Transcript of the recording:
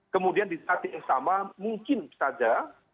kemudian di saat yang sama mungkin saja